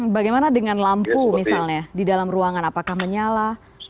bagaimana dengan lampu misalnya di dalam ruangan apakah menyala